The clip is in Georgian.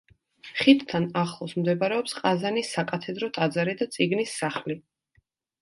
ხიდთან ახლოს მდებარეობს ყაზანის საკათედრო ტაძარი და წიგნის სახლი.